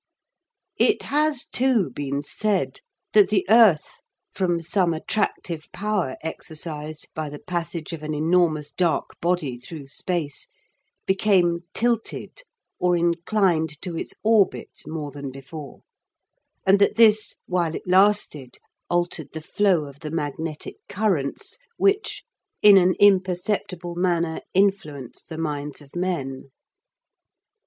It has, too, been said that the earth, from some attractive power exercised by the passage of an enormous dark body through space, became tilted or inclined to its orbit more than before, and that this, while it lasted, altered the flow of the magnetic currents, which, in an imperceptible manner, influence the minds of men.